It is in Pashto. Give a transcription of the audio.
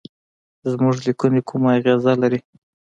زموږ لیکني کومه اغیزه لري.